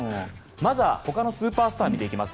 まず他のスーパースターを見ていきます。